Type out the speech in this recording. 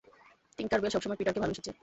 টিঙ্কার Bell সবসময়ই পিটারকে ভালোবেসেছে।